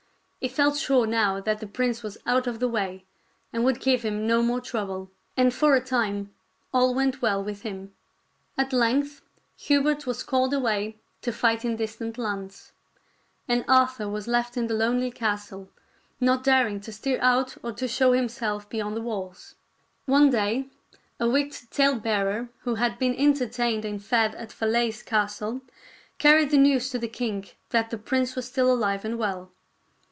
He felt sure now that the prince was out of the way and would give him no more trouble ; and for a time all went well with him. IV At length Hubert was called away to fight in distant lands; and Arthur was left in the lonely castle, not daring to stir out or to show himself be yond the walls. One day a wicked talebearer who had been entertained and fed at Falaise Castle carried the news to the king that the prince was still alive and well.